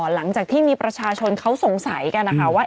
หลังจากที่มีประชาชนเขาสงสัยกันนะคะว่า